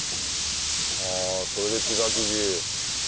あそれでピザ生地。